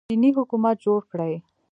دیني حکومت جوړ کړي